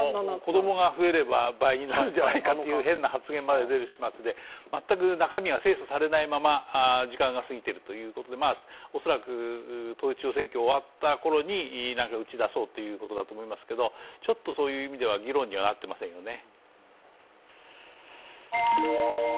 子供が増えれば倍になるという変な発言も出てくる始末で全く中身は精査されないまま時間が過ぎているということで、恐らく統一地方選挙終わった後に打ち出そうということなんでしょうけどそういう意味では議論にはなってませんよね。